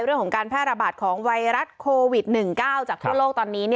เรื่องของการแพร่ระบาดของไวรัสโควิด๑๙จากทั่วโลกตอนนี้